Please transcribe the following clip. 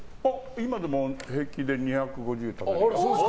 今でも平気で２５０食べるよ。